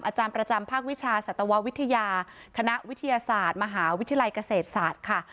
อาจารย์ประจำภาควิชาสัตววิทยาคณะวิทยาศาสตร์มหาวิทยาลัยเกษตรศาสตร์ค่ะ